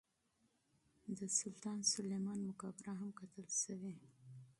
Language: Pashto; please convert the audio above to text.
د سلطان سلیمان مقبره هم کتل شوې.